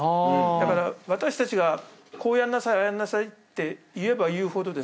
だから私たちがこうやんなさいああやんなさいって言えば言うほどですね